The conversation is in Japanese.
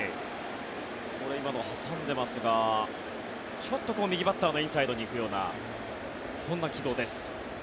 これ、今の挟んでますがちょっと右バッターのインサイドに行くようなそんな軌道です。